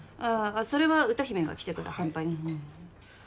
それは歌姫が来てから乾杯ね